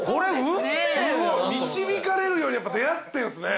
すごい導かれるようにやっぱ出会ってんすね。